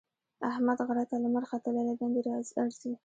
احمد غره ته لمر ختلی له دندې ارځي.